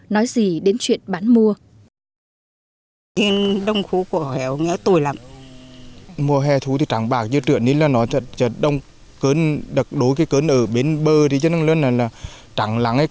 nói gì đến chuyện bán mua